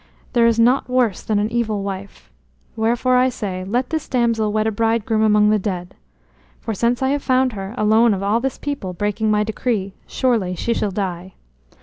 There is naught worse than an evil wife. Wherefore I say let this damsel wed a bridegroom among the dead. For since I have found her, alone of all this people, breaking my decree, surely she shall die.